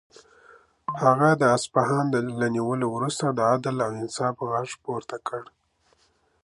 هغه د اصفهان له نیولو وروسته د عدل او انصاف غږ پورته کړ.